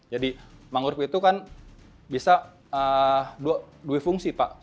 jadi mangrove itu kan bisa dua fungsi pak